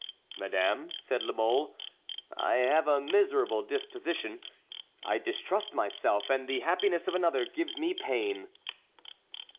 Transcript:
"Madame," said La Mole, "I have a miserable disposition: I distrust myself, and the happiness of another gives me pain."